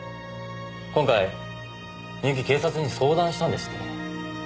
今回深雪警察に相談したんですってね。